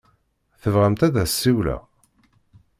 Tebɣamt ad as-ssiwleɣ?